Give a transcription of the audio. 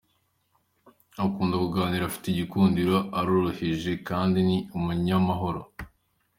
Akunda kuganira, afite igikundiro, aroroheje kandi ni umunyamahoro.